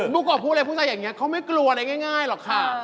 บุ๊กโกะพูดอะไรพูดอะไรอย่างนี้เขาไม่กลัวอะไรง่ายหรอกค่ะ